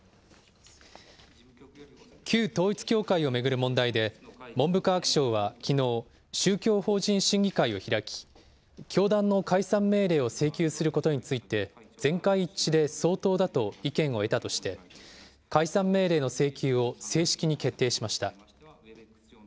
旧統一教会を巡る問題で、文部科学省はきのう、宗教法人審議会を開き、教団の解散命令を請求することについて、全会一致で相当だと意見を得たとして、解散命令の請求を正式に決定しました。